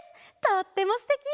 とってもすてき！